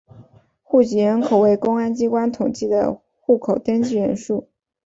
户籍人口为公安机关统计的户口登记人数。